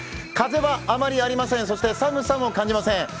風はあまりありません、そして寒さも感じません。